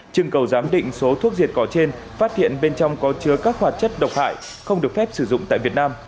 trưng cầu giám định số thuốc diệt cỏ trên phát hiện bên trong có chứa các hoạt chất độc hại không được phép sử dụng tại việt nam